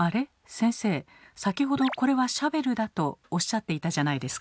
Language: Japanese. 先生先ほどこれはシャベルだとおっしゃっていたじゃないですか。